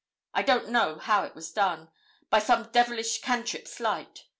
I don't know how it was done by some 'devilish cantrip slight.'